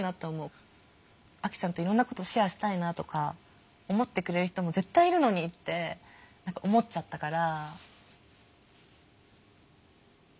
アキさんといろんなことシェアしたいなとか思ってくれる人も絶対いるのにって思っちゃったから。